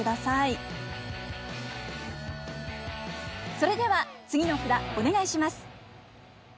それでは次の札お願いします。